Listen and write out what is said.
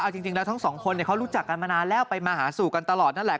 เอาจริงแล้วทั้งสองคนเขารู้จักกันมานานแล้วไปมาหาสู่กันตลอดนั่นแหละ